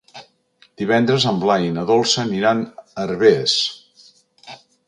Divendres en Blai i na Dolça aniran a Herbers.